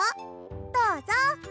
どうぞ。